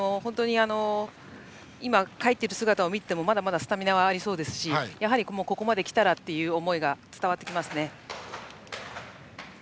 今、帰っていく姿を見てもまだまだスタミナはありそうですしやはり、ここまで来たらという思いが伝わってきますね。